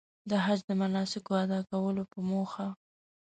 د حج د مناسکو ادا کولو په موخه.